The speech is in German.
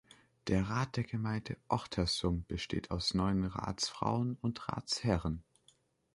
Der Rat der Gemeinde Ochtersum besteht aus neun Ratsfrauen und Ratsherren.